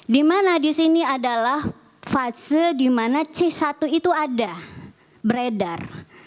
dimana disini adalah fase dimana c satu itu ada beredar